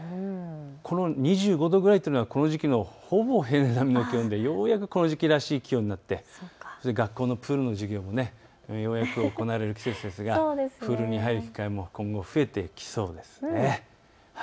この２５度くらいというのはこの時期のほぼ平年並みの気温でようやくこの時期らしい気温になって学校のプールの授業もようやく行われる季節ですがプールに入る機会も今後、増えてきそうですね。